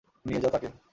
নিয়ে যাও তাকে।